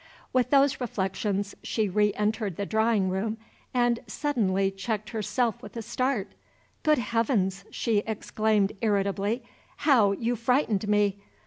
With those reflections she re entered the drawing room and suddenly checked herself with a start. "Good Heavens!" she exclaimed irritably, "how you frightened me!